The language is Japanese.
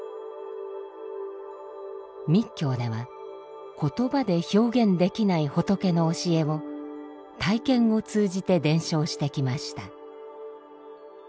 密教では言葉で表現できない仏の教えを体験を通じて伝承してきました。